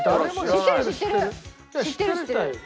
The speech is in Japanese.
知ってる知ってる！